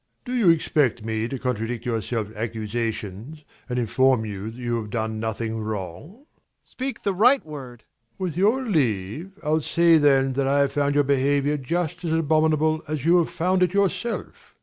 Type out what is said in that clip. ABBÉ. Do you expect me to contradict your self accusations and inform you that you have done nothing wrong? MAURICE. Speak the right word! ABBÉ. With your leave, I'll say then that I have found your behaviour just as abominable as you have found it yourself.